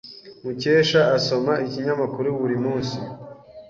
Mukesha asoma ikinyamakuru buri munsi.